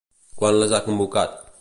Quan les ha convocat?